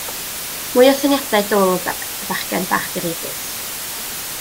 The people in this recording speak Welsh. Mwy o syniadau dwl y bachgen bach direidus.